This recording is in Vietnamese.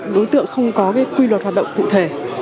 đối tượng không có quy luật hoạt động cụ thể